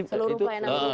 seluruh pnu juga ya